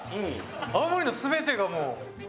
青森の全てがもう。